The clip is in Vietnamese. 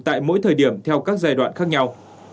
tại mỗi thời điểm theo các giai đoạn khác nhau